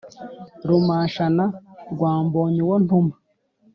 Rumashana rwa Mbonyuwontuma